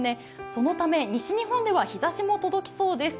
そのため西日本では日ざしも届きそうです。